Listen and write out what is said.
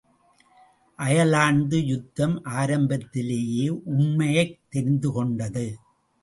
Ireland யுத்தம் ஆரம்பத்திலேயே உண்மையைத் தெரிந்துகொண்டது.